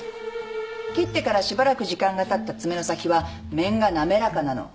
切ってからしばらく時間がたった爪の先は面が滑らかなの。